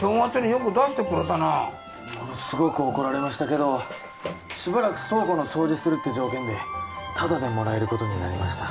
正月によく出してくれたなものすごく怒られましたけどしばらく倉庫の掃除するって条件でタダでもらえることになりました